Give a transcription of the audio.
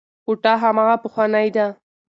کوټه هماغه پخوانۍ ده.